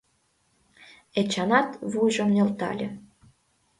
Эчанат вуйжым нӧлтале.